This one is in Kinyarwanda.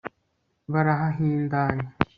barahahindanya